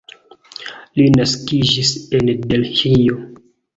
Li naskiĝis en Delhio.